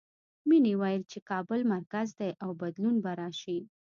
مینې ویل چې کابل مرکز دی او بدلون به راشي